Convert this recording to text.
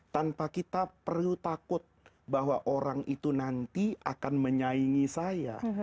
tanpa kita perlu takut bahwa orang itu nanti akan menyaingi saya